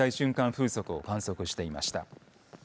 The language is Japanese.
風速を観測していました。